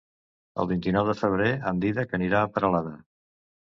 El vint-i-nou de febrer en Dídac anirà a Peralada.